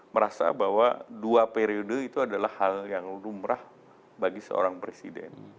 merasa bahwa dua periode itu adalah hal yang lumrah bagi seorang presiden